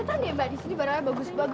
sampai kapan ma